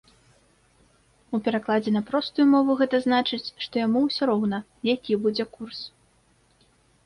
У перакладзе на простую мову гэта значыць, што яму ўсё роўна, які будзе курс.